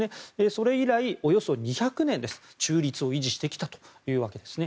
それ以来、およそ２００年中立を維持してきたというわけです。